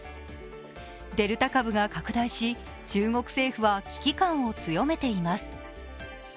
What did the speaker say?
デルタ株が拡大し、中国政府は危機感を強めています。